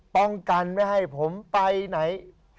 ป้องกันไม่ให้ผมไปไหน